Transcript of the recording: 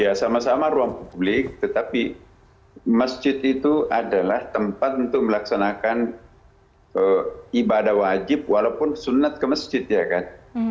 ya sama sama ruang publik tetapi masjid itu adalah tempat untuk melaksanakan ibadah wajib walaupun sunat ke masjid ya kan